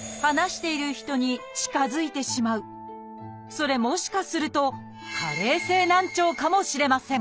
それもしかすると「加齢性難聴」かもしれません。